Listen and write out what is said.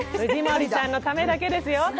藤森さんのためだけですよ。